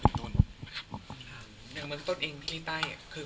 เมืองตนเองพี่ฤตาเอ่ยคือความคาดห่อค์ก็คืออยากให้เอาคลิปเอาชื่อ